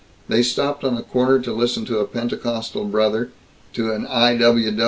They stopped on a corner to listen to a Pentecostal brother, to an I. W.